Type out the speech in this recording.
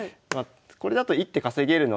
これだと１手稼げるので。